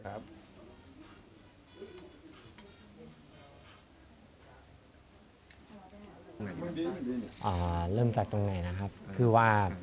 แล้วพวกเราจะมากกว่า